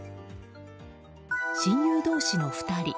親友同士の２人。